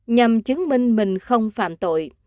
nhằm chứng minh mình không phạm tội